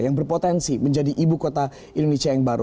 yang berpotensi menjadi ibu kota indonesia yang baru